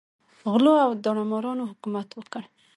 غلو او داړه مارانو حکومت وکړ.